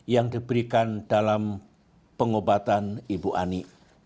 yang diberikan dalam pengobatan ibu ani